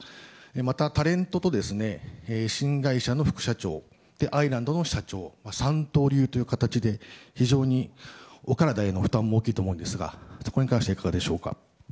また、タレントと新会社の副社長とアイランドの社長三刀流という形で非常にお体への負担も大きいと思うんですがこれに関してはいかがでしょうか？